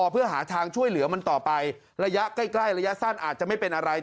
เพื่อหาทางช่วยเหลือมันต่อไประยะใกล้ระยะสั้นอาจจะไม่เป็นอะไร